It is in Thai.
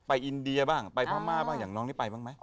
อินเดียบ้างไปพม่าบ้างอย่างน้องนี่ไปบ้างไหม